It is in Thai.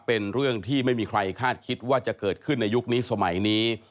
เป็นเรื่องที่ไม่มีใครคาดคิดว่าจะเกิดขึ้นในยุคนี้สมัยนี้